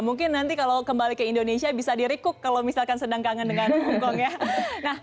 mungkin nanti kalau kembali ke indonesia bisa di recook kalau misalkan sedang kangen dengan hongkong ya